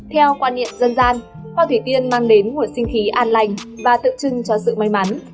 theo quan niệm dân gian hoa thủy tiên mang đến một sinh khí an lành và tự trưng cho sự may mắn